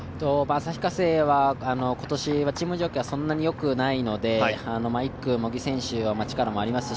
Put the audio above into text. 旭化成は今年はチーム状況がそんなによくないので１区、茂木選手、力もありますし